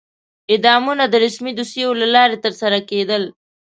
اعدامونه د رسمي دوسیو له لارې ترسره کېدل.